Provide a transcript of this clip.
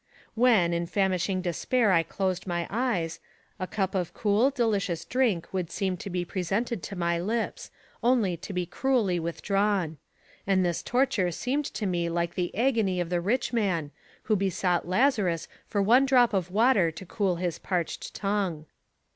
When, in famishing despair I closed my eyes, a cup of cool, delicious drink would seem to be presented to my lips, only to be cruelly withdrawn ; and this torture seemed to me like the agony of the rich man, who besought Lazarus for one drop of water to cool his parched tongue.